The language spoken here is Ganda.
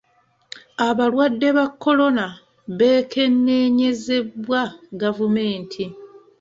Abalwadde ba korona beekenneenyezebwa gavumenti.